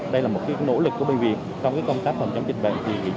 đây là một nỗ lực của bệnh viện trong công tác phòng chống dịch bệnh